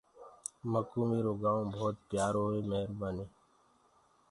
مڪوُ ميرو گآئونٚ ڀوت پيآرو هي۔ ميربآني۔